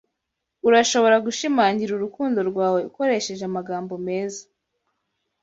Urashobora gushimangira urukundo rwawe ukoresheje amagambo meza